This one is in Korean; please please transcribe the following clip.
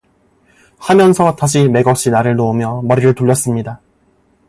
하면서 다시 맥없이 나를 놓으며 머리를 돌렸습니다.